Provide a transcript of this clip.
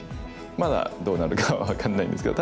まだどうなるかは分かんないんですけど。